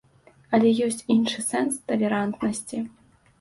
Але ёсць іншы сэнс талерантнасці.